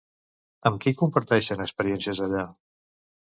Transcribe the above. Amb qui comparteixen experiències allà?